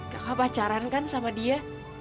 kakak pacaran kan sama dia